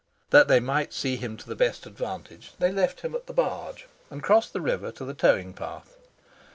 That they might see him to the best advantage they left him at the Barge and crossed the river to the towing path.